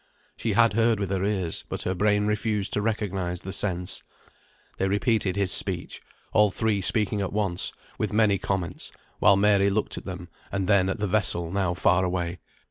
She had heard with her ears, but her brain refused to recognise the sense. They repeated his speech, all three speaking at once, with many comments; while Mary looked at them and then at the vessel now far away.